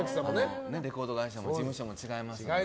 レコード会社も事務所も違いますから。